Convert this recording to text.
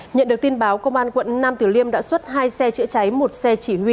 nhận được tin báo công an quận nam tử liêm đã xuất hai xe chữa cháy một xe chỉ huy